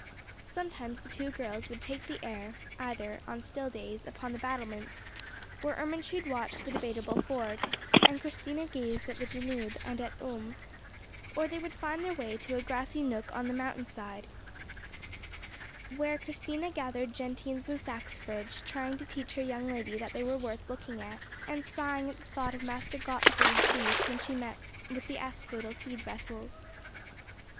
Sometimes the two girls would take the air, either, on still days, upon the battlements, where Ermentrude watched the Debateable Ford, and Christina gazed at the Danube and at Ulm; or they would find their way to a grassy nook on the mountain side, where Christina gathered gentians and saxifrage, trying to teach her young lady that they were worth looking at, and sighing at the thought of Master Gottfried's wreath when she met with the asphodel seed vessels.